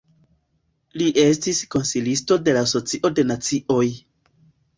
Li estis konsilisto de la Socio de Nacioj.